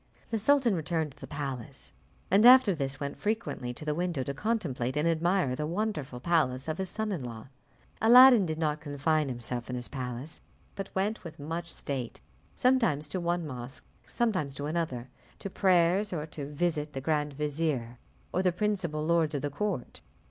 The sultan returned to the palace, and after this went frequently to the window to contemplate and admire the wonderful palace of his son in law. Aladdin did not confine himself in his palace, but went with much state, sometimes to one mosque, and sometimes to another, to prayers, or to visit the grand vizier or the principal lords of the court.